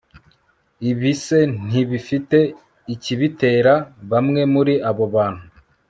Ibi se ntibifite ikibitera Bamwe muri abo bantu